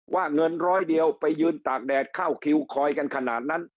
ว่าเงินร้อยเดียวไปยืนตากแดดเข้าคิวคอยกันขนาดนั้น